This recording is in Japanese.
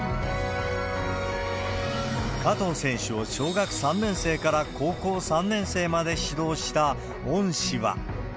加藤選手を小学３年生から高校３年生まで指導した恩師は。